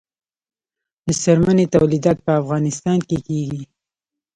د څرمنې تولیدات په افغانستان کې کیږي